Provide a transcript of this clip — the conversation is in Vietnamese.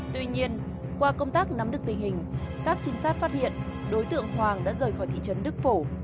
tuy nhiên qua công tác nắm được tình hình các trinh sát phát hiện đối tượng hoàng đã rời khỏi thị trấn đức phổ